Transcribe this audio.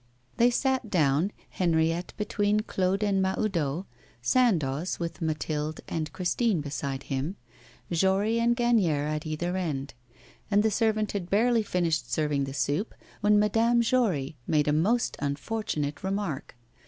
They sat down, Henriette between Claude and Mahoudeau, Sandoz with Mathilde and Christine beside him, Jory and Gagnière at either end; and the servant had barely finished serving the soup, when Madame Jory made a most unfortunate remark.